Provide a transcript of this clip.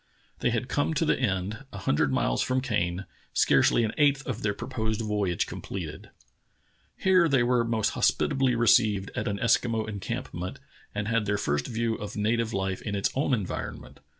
They had come to the end, a hundred miles from Kane — scarcely an eighth of their proposed voyage completed. Here they were most hospitably received at an Eskimo encampment and had their first view of native hfe in its own environment.